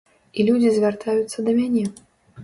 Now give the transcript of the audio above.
І людзі звяртаюцца да мяне.